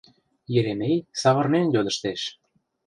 — Еремей савырнен йодыштеш.